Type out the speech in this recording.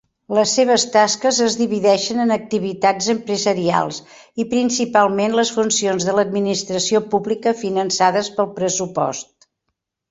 Les seves tasques es divideixen en activitats empresarials i principalment les funcions de l'administració pública finançades pel pressupost.